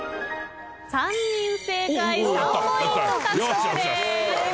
３人正解３ポイント獲得です。